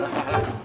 lah lah lah